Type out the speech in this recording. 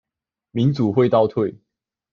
民主會倒退